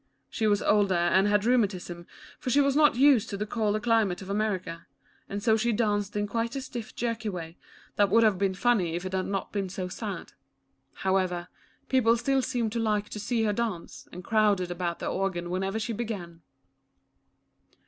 She was older, and had rheumatism, for she was not used to the colder climate of America, and so she danced in quite a stiff jerky way, that would have been funny if it Lucia, the Organ Maiden. 85 had not been so sad. However, people still seemed to like to see her dance, and crowded about the organ whenever she began.